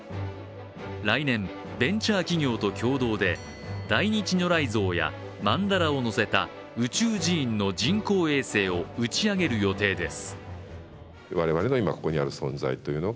来年、ベンチャー企業と共同で大日如来像やまんだらをのせた宇宙寺院の人工衛星を打ち上げる予定です。